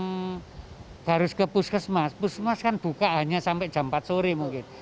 kalau harus ke puskesmas puskesmas kan buka hanya sampai jam empat sore mungkin